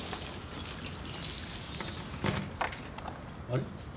あれ？